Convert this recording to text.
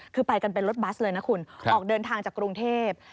คือไปกันเป็นรถบัสเลยนะคุณออกเดินทางจากกรุงเทพ